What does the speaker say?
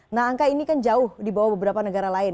nah angka ini kan jauh di bawah beberapa negara lain